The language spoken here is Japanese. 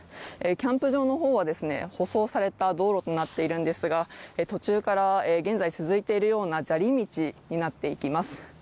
キャンプ場の方は舗装された道路となっているんですが途中から現在続いているような砂利道になっています。